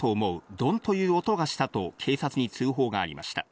ドンという音がしたと警察に通報がありました。